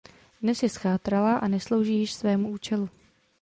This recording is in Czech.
Dnes je zchátralá a neslouží již svému účelu.